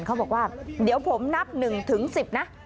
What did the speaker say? เขาบอกว่าเดี๋ยวผมนับหนึ่งถึงสิบนะ